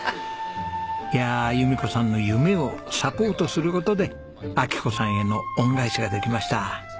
いやあ弓子さんの夢をサポートする事で昭子さんへの恩返しができました。